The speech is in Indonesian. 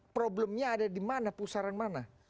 problemnya ada di mana pusaran mana